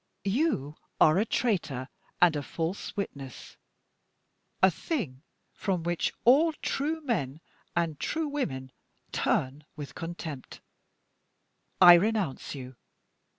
You are a traitor and a false witness a thing from which all true men and true women turn with contempt. I renounce you!